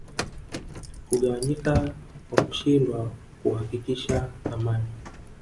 kugawanyika kwa kushindwa kuhakikisha amani